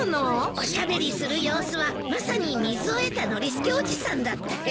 おしゃべりする様子はまさに水を得たノリスケおじさんだったよ。